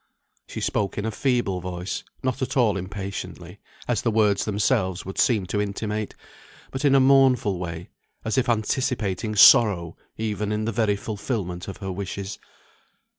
She spoke in a feeble voice; not at all impatiently, as the words themselves would seem to intimate, but in a mournful way, as if anticipating sorrow even in the very fulfilment of her wishes.